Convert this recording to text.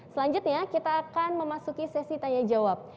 selanjutnya kita akan memasuki sesi tanya jawab